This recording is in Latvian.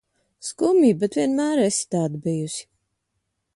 Skumji, bet vienmēr esi tāda bijusi.